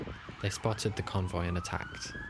They spotted the convoy and attacked.